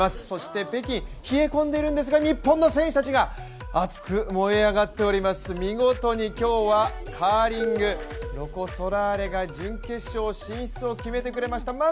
そして、北京、冷え込んでいるんですが日本の選手たちが熱く燃え上がっております、見事に今日はカーリング、ロコ・ソラーレが準決勝進出を決めてくれました。